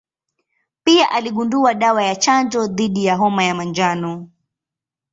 Pia aligundua dawa ya chanjo dhidi ya homa ya manjano.